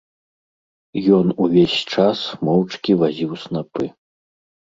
Ён увесь час моўчкі вазіў снапы.